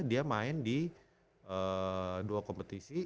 dia main di dua kompetisi